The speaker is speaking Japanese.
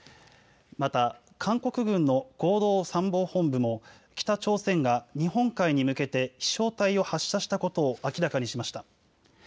また、韓国軍の合同参謀本部も、北朝鮮が日本海に向けて飛しょう体を発射したことを明らかにしました。